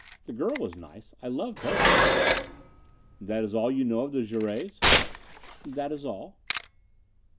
The girl was nice. I loved her." "That is all you know of the Jourets?" "That is all."